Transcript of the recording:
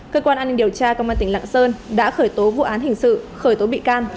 cơ quan an ninh điều tra công an tỉnh lạng sơn đã khởi tố vụ án hình sự khởi tố bị can